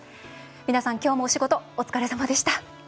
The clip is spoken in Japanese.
皆さん、今日もお仕事、お疲れさまでした。